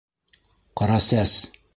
ҠАРАСӘС